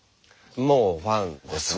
もうファンですね。